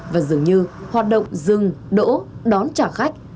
và dường như hoạt động dừng đỗ đón trả khách